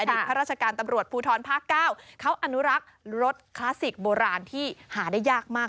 ข้าราชการตำรวจภูทรภาค๙เขาอนุรักษ์รถคลาสสิกโบราณที่หาได้ยากมาก